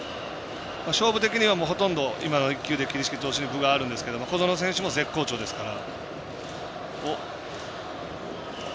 勝負的には、ほとんど今の１球で桐敷投手に分があるんですけど小園選手も絶好調ですから。